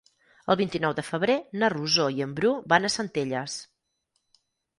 El vint-i-nou de febrer na Rosó i en Bru van a Centelles.